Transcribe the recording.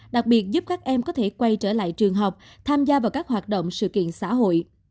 đặc biệt giúp các em có thể quay trở lại trường học tham gia vào các hoạt động sự kiện xã hội